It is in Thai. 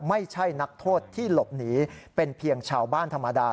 ไม่ใช่นักโทษที่หลบหนีเป็นเพียงชาวบ้านธรรมดา